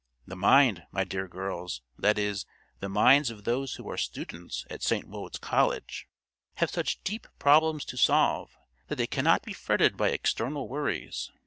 The mind, my dear girls—that is, the minds of those who are students at St. Wode's College—have such deep problems to solve that they cannot be fretted by external worries.